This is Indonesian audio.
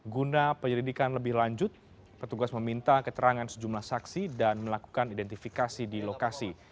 guna penyelidikan lebih lanjut petugas meminta keterangan sejumlah saksi dan melakukan identifikasi di lokasi